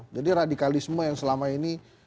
jadi radikalisme yang selama ini